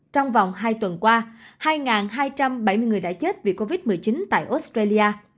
trong vòng hai tuần qua hai hai trăm bảy mươi người đã chết vì covid một mươi chín tại australia